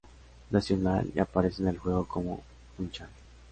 Nacional y aparece en el juego como "Funchal".